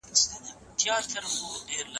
خلکو به په جرګو کي خپلي ستونزي په ګډه حل کولي.